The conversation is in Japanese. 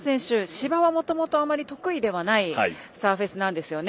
芝はもともとあまり得意ではないサーフェスなんですよね。